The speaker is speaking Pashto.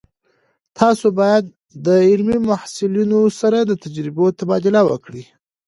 تاسو باید د علمي محصلینو سره د تجربو تبادله وکړئ.